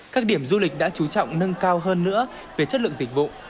các điểm du lịch đã chú trọng nâng cao hơn nữa về chất lượng dịch vụ